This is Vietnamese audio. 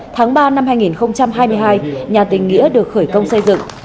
tháng ba năm hai nghìn hai mươi hai nhà tình nghĩa được khởi công xây dựng